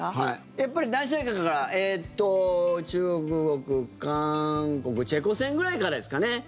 やっぱり何試合かから中国、韓国チェコ戦ぐらいからですかね。